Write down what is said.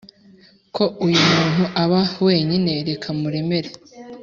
ko uyu muntu aba wenyine, reka muremere